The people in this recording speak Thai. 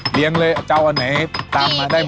เรียนเลยเจ้าอันไหนตามมาได้หมด